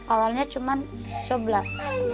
awalnya cuma sebelah